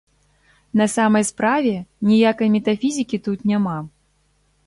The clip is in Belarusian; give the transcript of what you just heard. На самай справе, ніякай метафізікі тут няма.